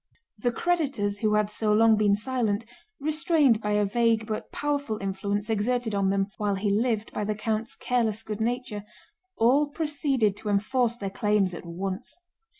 The creditors who had so long been silent, restrained by a vague but powerful influence exerted on them while he lived by the count's careless good nature, all proceeded to enforce their claims at once.